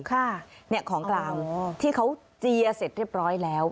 ของกลางที่เขาเจียเสร็จเรียบร้อยแล้ว